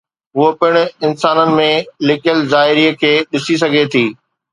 هوء پڻ انسانن ۾ لڪيل ظاهري کي ڏسي سگهي ٿي